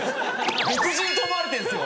別人と思われてるんですよ